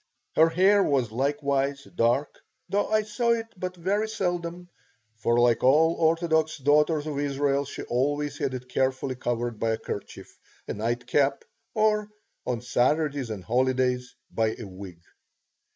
Her hair was likewise dark, though I saw it but very seldom, for like all orthodox daughters of Israel she always had it carefully covered by a kerchief, a nightcap, or on Saturdays and holidays by a wig.